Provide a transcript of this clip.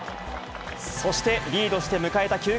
そしてリードして迎えた